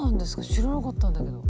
知らなかったんだけど。